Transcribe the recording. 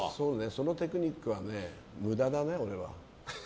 そのテクニックは無駄だね、俺は。